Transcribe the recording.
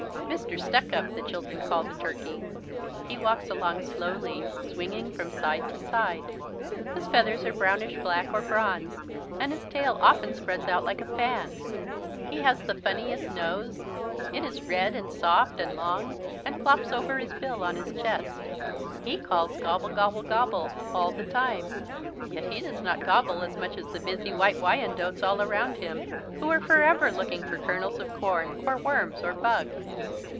"Mr. Stuckup" the children call the turkey. He walks along slowly, swinging from side to side. His feathers are brownish black or bronze, and his tail often spreads out like a fan. He has the funniest nose. It is red and soft and long and flops over his bill on his chest. He calls "gobble, gobble, gobble," all the time, yet he does not gobble as much as the busy White Wyandottes all around him who are forever looking for kernels of corn or worms or bugs.